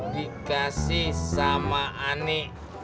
dikasih sama ani